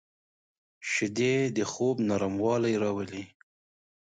شیدې د خوب نرموالی راولي